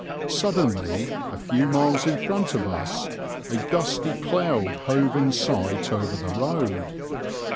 Suddenly, a few miles in front of us, a dusty cloud hove in sight over the road.